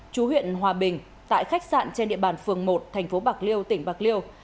chú huyện hòa bình tại khách sạn trên địa bàn phường một thành phố bạc liêu tỉnh bạc liêu